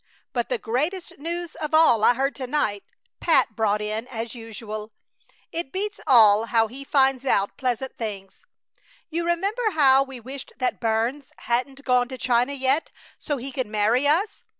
But the greatest news of all I heard to night! Pat brought it, as usual. It beats all how he finds out pleasant things. You remember how we wished that Burns hadn't gone to China yet, so he could marry us?